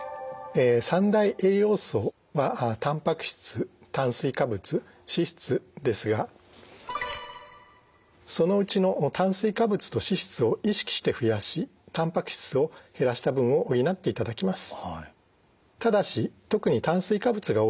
え３大栄養素はたんぱく質炭水化物脂質ですがそのうちの炭水化物と脂質を意識して増やしたんぱく質を減らした分を補っていただきます。